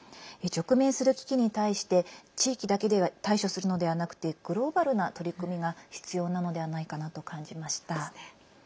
直面する危機に対して地域だけで対処するのではなくてグローバルな取り組みが必要なのではないかなと感じました。